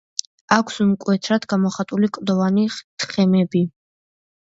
აქვს მკვეთრად გამოხატული კლდოვანი თხემები.